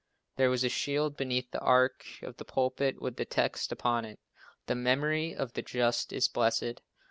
There was a shield beneath the arch of the pulpit with this text upon it: "The memory of the just is blessed."